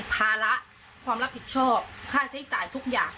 ภาระความรับผิดชอบค่าใช้จ่ายทุกอย่าง